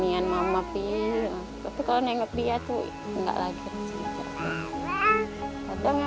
ya agak menggunakan roupnya